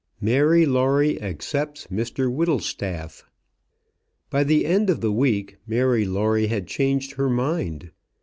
MARY LAWRIE ACCEPTS MR WHITTLESTAFF. By the end of the week Mary Lawrie had changed her mind.